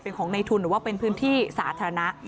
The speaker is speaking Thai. เป็นของในทุนหรือว่าเป็นพื้นที่สาธารณะ